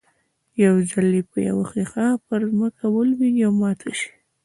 يو ځل چې يوه ښيښه پر ځمکه ولوېږي او ماته شي.